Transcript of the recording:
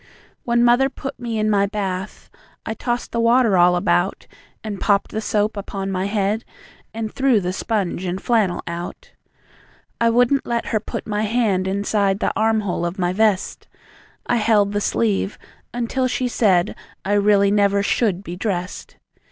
When mother put me in my bath, I tossed the water all about, And popped the soap upon my head, And threw the sponge and flannel out. I wouldn't let her put my hand Inside the arm hole of my vest; I held the sleeve until she said I really never SHOULD be dressed.